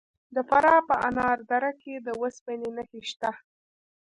د فراه په انار دره کې د وسپنې نښې شته.